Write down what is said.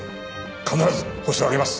必ずホシを挙げます。